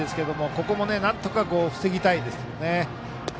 ここもなんとか防ぎたいですね。